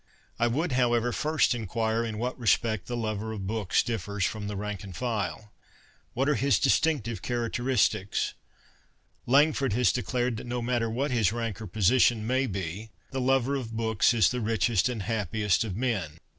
I would, however, first inquire in what respect the lover of books differs from the rank and file ? What are his distinctive characteristics ? Langford 20 CONFESSIONS OF A BOOK LOVER has declared that no matter what his rank or position may be, the lover of books is the richest and happiest of men.